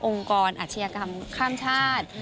องค์กรอาชีกรัมข้ามชาติ